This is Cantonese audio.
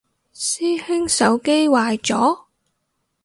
師兄手機壞咗？